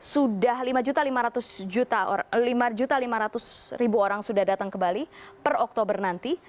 sudah lima lima ratus orang sudah datang ke bali per oktober nanti